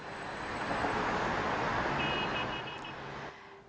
pemirsa tiongkok udara kota